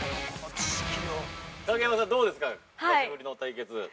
◆影山さん、どうですか久しぶりの対決。